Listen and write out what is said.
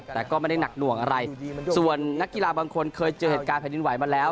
แต่ก็ไม่ได้หนักหน่วงอะไรส่วนนักกีฬาบางคนเคยเจอเหตุการณ์แผ่นดินไหวมาแล้ว